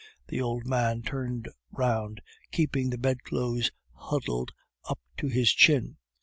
The old man turned round, keeping the bedclothes huddled up to his chin.